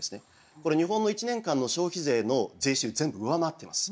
これ日本の１年間の消費税の税収全部上回っています。